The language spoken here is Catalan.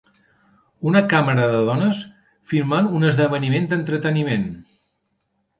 Una càmera de dones filmant un esdeveniment d'entreteniment